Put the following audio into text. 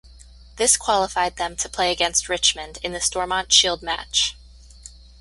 This qualified them to play against Richmond in the Stormont Shield match.